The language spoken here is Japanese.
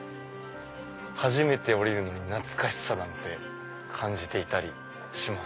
初めて降りるのに懐かしさ感じていたりします。